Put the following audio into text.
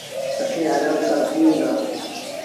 اسيٚݩ آرآم سآݩ پيٚئون دآ۔